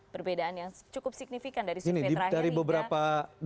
perbedaan yang cukup signifikan dari survei terakhir liga